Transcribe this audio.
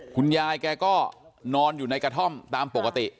คุณยายแกก็นอนอยู่ในกระท่อมตามปกติ